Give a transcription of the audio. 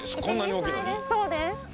そうです。